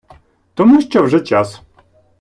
тому що вже час.